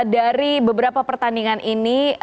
dari beberapa pertandingan ini